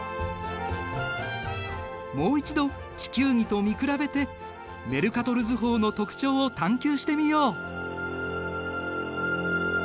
もう一度地球儀と見比べてメルカトル図法の特徴を探究してみよう。